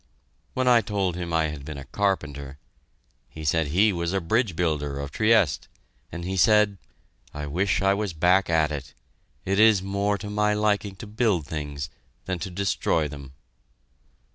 When I told him I had been a carpenter, he said he was a bridge builder of Trieste, and he said, "I wish I was back at it; it is more to my liking to build things than to destroy them."